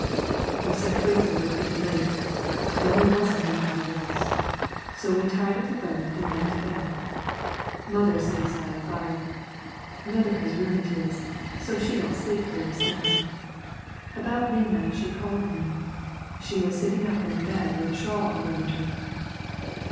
"We set Twiggs over pretty late. Then there wasn't anybody else. So we tied up the boat an' went to bed. Mother sleeps by the fire. Mother has rheumatiz so she don't sleep very sound. About midnight she called me. She was sitting up in the bed with a shawl around her.